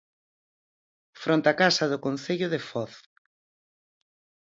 Fronte a Casa do Concello de Foz.